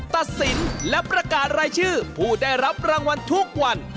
ตัดสินและประกาศรายชื่อผู้ได้รับรางวัลทุกวัน